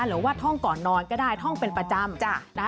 หรือว่าท่องก่อนนอนก็ได้ท่องเป็นประจำนะคะ